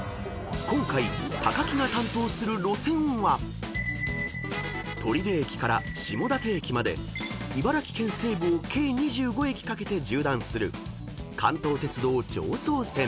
［今回木が担当する路線は取手駅から下館駅まで茨城県西部を計２５駅かけて縦断する関東鉄道］